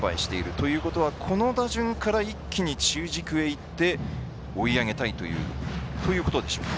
ということは、この打順から一気に中軸にいって、追い上げたいというところでしょうか。